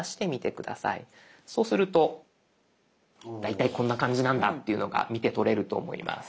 そうすると大体こんな感じなんだというのが見てとれると思います。